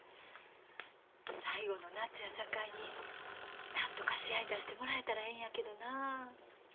最後の夏やさかいになんとか試合に出してもらえたらええんやけどなあ。